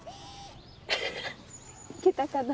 いけたかな？